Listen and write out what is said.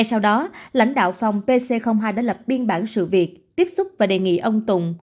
sau đó lãnh đạo phòng pc hai đã lập biên bản sự việc tiếp xúc và đề nghị ông tùng